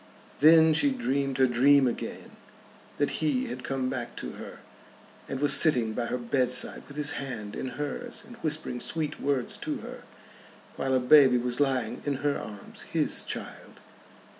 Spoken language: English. Then she dreamed her dream again, that he had come back to her, and was sitting by her bedside with his hand in hers and whispering sweet words to her, while a baby was lying in her arms his child.